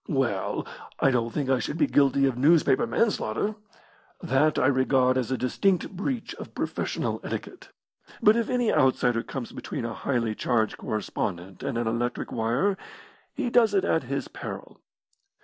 "Well, I don't think I should be guilty of newspaper man slaughter. That I regard as a distinct breach of professional etiquette. But if any outsider comes between a highly charged correspondent and an electric wire, he does it at his peril.